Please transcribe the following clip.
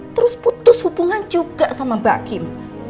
terus putus hubungan juga sama mbak kim